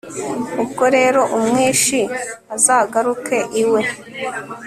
ubwo rero umwishi azagaruke iwe